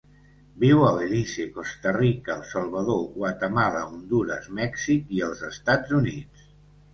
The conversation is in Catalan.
Viu a Belize, Costa Rica, El Salvador, Guatemala, Hondures, Mèxic i els Estats Units.